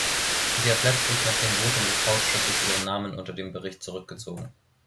Sie hat letztlich nach dem Votum des Ausschusses ihren Namen unter dem Bericht zurückgezogen.